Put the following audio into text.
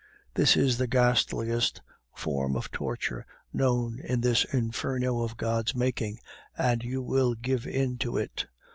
This is the ghastliest form of torture known in this inferno of God's making, and you will give in to it.